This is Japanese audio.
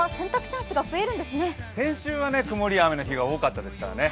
先週はくもりや雨の日が多かったですからね。